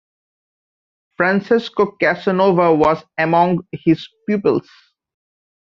Francesco Casanova was among his pupils.